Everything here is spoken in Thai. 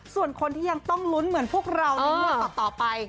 ส่วนคนที่ยังต้องลุ้นเหมือนพวกเราในงวดต่อไป